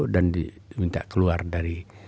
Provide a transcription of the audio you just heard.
dan diminta keluar dari